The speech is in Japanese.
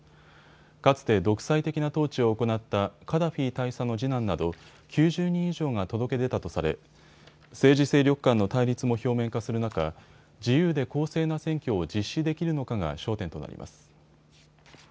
かつて独裁的な統治を行ったカダフィ大佐の次男など９０人以上が届け出たとされ政治勢力間の対立も表面化する中、自由で公正な選挙を実施できるのかが焦点となります。